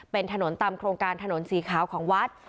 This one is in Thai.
เป็นถนนตามโครงการถนนสีขาวของวัด